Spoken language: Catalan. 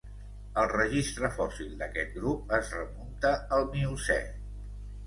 El registre fòssil d'aquest grup es remunta al Miocè.